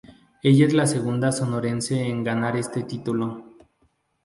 Ella es la segunda Sonorense en ganar este título.